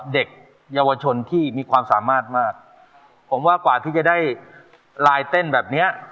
เด็กเยาวชนที่มีความสามารถมากผมว่ากว่าที่จะได้ลายเต้นแบบเนี้ย